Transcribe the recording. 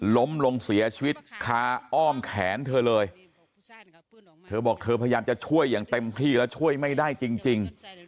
ล้มลงเสียชีวิตคาอ้อมแขนเธอเลยเธอบอกเธอพยายามจะช่วยอย่างเต็มที่แล้วช่วยไม่ได้จริง